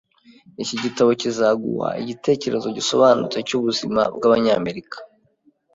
Iki gitabo kizaguha igitekerezo gisobanutse cyubuzima bwabanyamerika